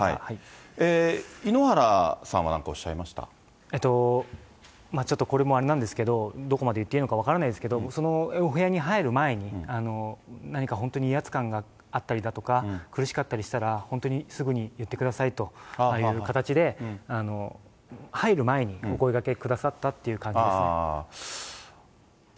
井ノ原さんはなんかおっしゃちょっとこれもあれなんですけど、どこまで言っていいのか分からないですけど、そのお部屋に入る前に、何か本当に威圧感があったりだとか、苦しかったりしたら、本当にすぐに言ってくださいという形で、入る前にお声がけくださったという形ですね。